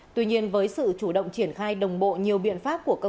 tuy nhiên với sự chủ động triển khai đồng bộ nhiều biện pháp của các nơi